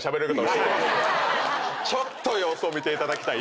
ちょっと様子を見ていただきたい。